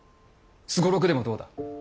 双六でもどうだ。